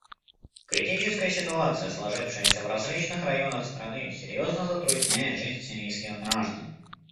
Критическая ситуация, сложившаяся в различных районах страны, серьезно затрудняет жизнь сирийских граждан.